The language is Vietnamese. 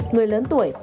người lớn tuổi